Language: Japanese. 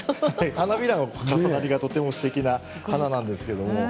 花びらの重なりがすてきな花なんですけれどもね。